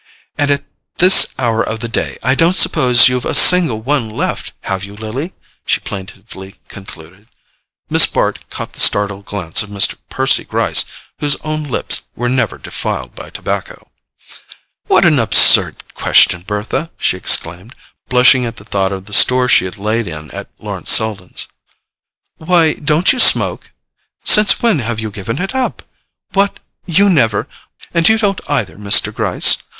"And at this hour of the day I don't suppose you've a single one left, have you, Lily?" she plaintively concluded. Miss Bart caught the startled glance of Mr. Percy Gryce, whose own lips were never defiled by tobacco. "What an absurd question, Bertha!" she exclaimed, blushing at the thought of the store she had laid in at Lawrence Selden's. "Why, don't you smoke? Since when have you given it up? What—you never—— And you don't either, Mr. Gryce?